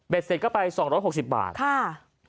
เบ็ดเสร็จก็ไปสองร้อยหกสิบบาท